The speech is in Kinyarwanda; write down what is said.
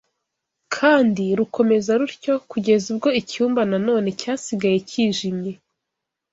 kandi rukomeza rutyo kugeza ubwo icyumba na none cyasigaye kijimye